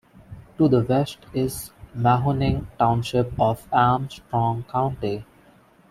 To the west is Mahoning Township of Armstrong County.